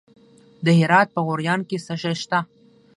د هرات په غوریان کې څه شی شته؟